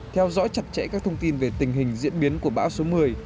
theo dõi chặt chẽ các thông tin về tình hình diễn biến của bão số một mươi